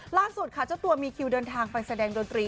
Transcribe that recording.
ล่าสุดค่ะเจ้าตัวมีคิวเดินทางไปแสดงดนตรี